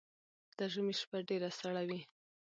ده ژمی شپه ډیره سړه وی